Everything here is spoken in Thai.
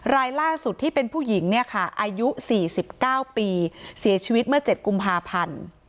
รายล่าสุดที่เป็นผู้หญิงเนี่ยค่ะอายุ๔๙ปีเสียชีวิตเมื่อ๗กุมภาพันธ์